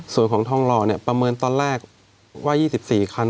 ส่วนของทองหล่อประเมินตอนแรกว่า๒๔คัน